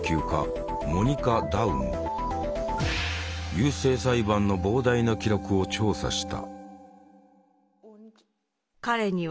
優生裁判の膨大な記録を調査した。